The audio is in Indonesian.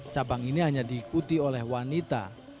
cabang ini hanya diikuti oleh wanita